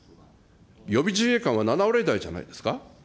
予備自衛官は７割台じゃないですか。